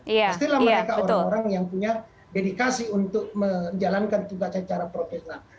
istilah mereka orang orang yang punya dedikasi untuk menjalankan tugas secara profesional